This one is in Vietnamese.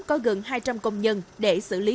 có gần hai trăm linh công nhân để xử lý